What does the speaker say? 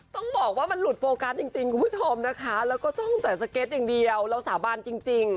ต้องบอกว่ามันหลุดโฟกัสจริงคุณผู้ชมนะคะแล้วก็จ้องแต่สเก็ตอย่างเดียวเราสาบานจริง